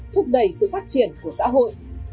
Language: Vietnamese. thúc đẩy sự phát triển của xã hội